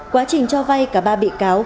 quá trình cho vay cả ba bị cáo